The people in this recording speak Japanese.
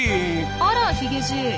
あらヒゲじい。